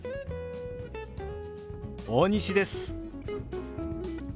大西です。